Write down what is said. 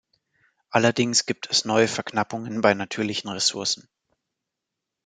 Allerdings gibt es neue Verknappungen bei natürlichen Ressourcen.